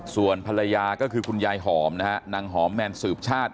ส่วนภรรยาก็คือคุณยายหอมนะฮะนางหอมแมนสืบชาติ